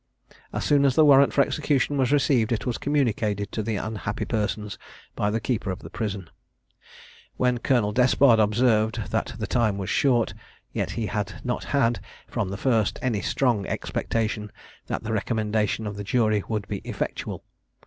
As soon as the warrant for execution was received, it was communicated to the unhappy persons by the keeper of the prison; when Colonel Despard observed that the time was short, yet he had not had, from the first, any strong expectation that the recommendation of the jury would be effectual.